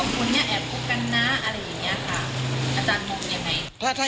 ของคุณเนี่ยแอบควบกันนะอะไรอย่างนี้อาจารย์มุมยังไง